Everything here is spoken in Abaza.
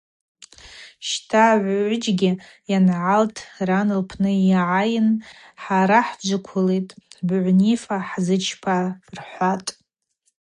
Щта, агӏвыджьгьи ангӏалтӏ, ран лпны йгӏайын – Хӏара хӏджвыквлитӏ, быгӏвнифа хӏзычпа, – рхӏватӏ.